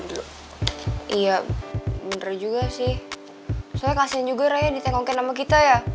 terima kasih juga raya ditengokin sama kita ya